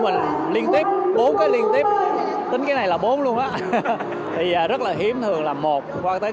mình liên tiếp bốn cái liên tiếp tính cái này là bốn luôn á thì rất là hiếm thường là một qua tới